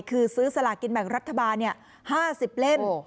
คือซื้อสลากินแบ่งรัฐบาล๕๐เล่ม